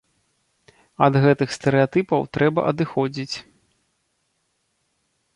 Ад гэтых стэрэатыпаў трэба адыходзіць.